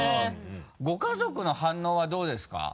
ご家族の反応はどうですか？